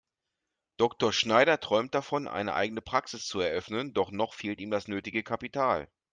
Dr. Schneider träumt davon, eine eigene Praxis zu eröffnen, doch noch fehlt ihm das nötige Kapital.